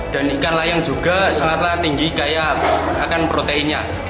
ikan layang juga sangatlah tinggi kayak akan proteinnya